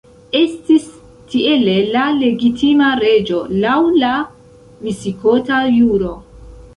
Estis tiele la legitima reĝo, laŭ la visigota juro.